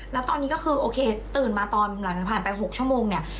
แล้วตอนนี้ก็คือโอเคตื่นมาตอนหลังผ่านไป๖ชั่วโมงเนี่ย